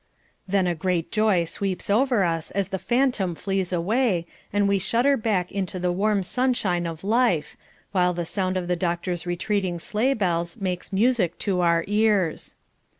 Then a great joy sweeps over us as the phantom flees away, and we shudder back into the warm sunshine of life, while the sound of the doctor's retreating sleighbells makes music to our ears.